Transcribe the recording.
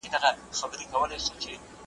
بیا ویشتلی د چا سترګو مستانه یې